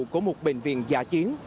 của một bệnh viện giả chiến